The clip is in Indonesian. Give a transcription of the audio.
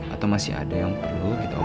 atau masih ada yang perlu kita operasi